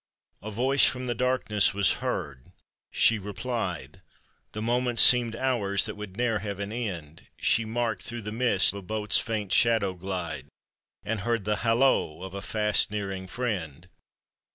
A voice from the darkness was heard ! she re plied,— The moments seemed hours that would ne'er have an end; She marked through the mist a boat's faint shadow glide, And heard the "Halloo!" of a fast nearing' friend.